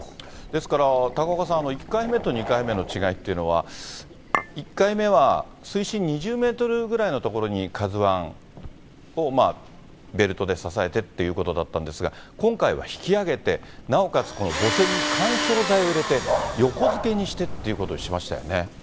ですから、高岡さん、１回目と２回目の違いというのは、１回目は水深２０メートルぐらいの所にＫＡＺＵＩをベルトで支えてっていうことだったんですが、今回は引き揚げて、なおかつ、母船に緩衝材を入れて、横づけにしてってことをしましたよね。